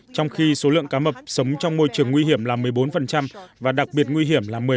trong khi số lượng cá mập sống trong môi trường nguy hiểm là một mươi bốn và đặc biệt nguy hiểm là một mươi